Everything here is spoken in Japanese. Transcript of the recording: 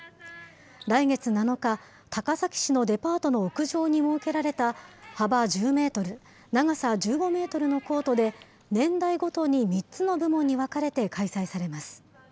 来月７日、高崎市のデパートの屋上に設けられた幅１０メートル、長さ１５メートルのコートで、年代ごとに３つの部門に分かれて開催されます。